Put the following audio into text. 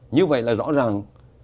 như vậy là rõ ràng